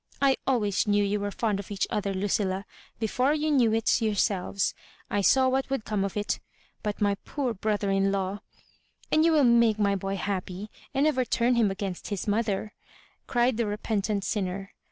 "I always knew you were fond of each other, Ludlla; before you knew it yourselves, I saw what would come of it. But my poor brother in law— And you will make my boy happy, and never turn him against his mo&er," cried the repentant sinner.